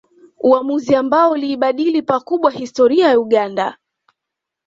Uamuzi ambao uliibadili pakubwa historia ya Uganda